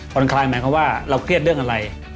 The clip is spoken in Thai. คลายหมายความว่าเราเครียดเรื่องอะไร